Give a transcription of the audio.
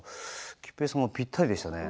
桔平さんがぴったりでしたね。